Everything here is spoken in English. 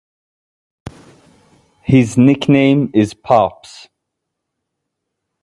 His nickname is "Pops".